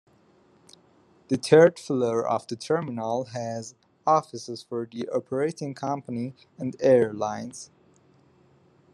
The third floor of the terminal has offices for the operating company and airlines.